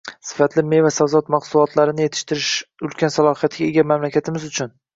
sifatli meva-sabzavot mahsulotlarini yetishtirishning ulkan salohiyatiga ega mamlakatimiz uchun